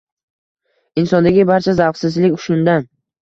Insondagi barcha zavqsizlik shundan.